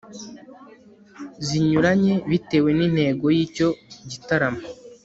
zinyuranye bitewe n'intego y'icyo gitaramo